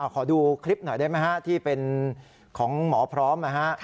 ขอดูคลิปหน่อยได้ไหมฮะที่เป็นของหมอพร้อมนะฮะ